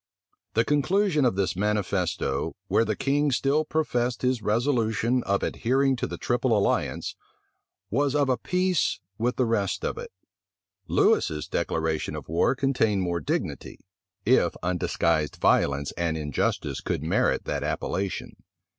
The conclusion of this manifesto, where the king still professed his resolution of adhering to the triple alliance, was of a piece with the rest of it. Lewis's declaration of war contained more dignity, if undisguised violence and injustice could merit that appellation.